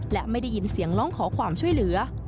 และไม่ได้ยินเสียงร้องขอความช่วยเหลือ